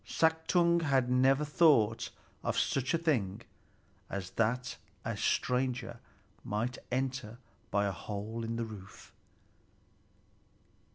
Suttung had never thought of such a thing as that a stranger might enter by a hole in the roof!